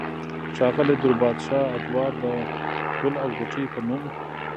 ښاغلي دور بادشاه ادوار د " ګل او غوټۍ" پۀ نوم